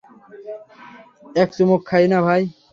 এক চুমুক খা না ভাই!